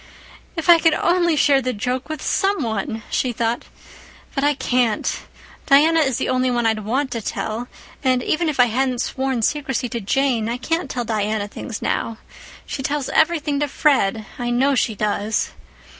"If I could only share the joke with some one!" she thought. "But I can't. Diana is the only one I'd want to tell, and, even if I hadn't sworn secrecy to Jane, I can't tell Diana things now. She tells everything to Fred—I know she does.